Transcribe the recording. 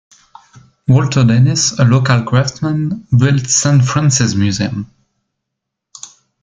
Walter Dennis, a local craftsman, built Saint Frances Museum.